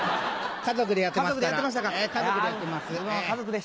家族でやってます。